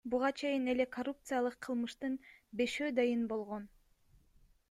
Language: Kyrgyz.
Буга чейин эле коррупциялык кылмыштын бешөө дайын болгон.